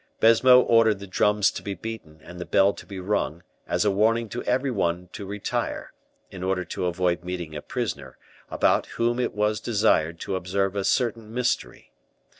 Baisemeaux ordered the drums to be beaten and the bell to be rung, as a warning to every one to retire, in order to avoid meeting a prisoner, about whom it was desired to observe a certain mystery.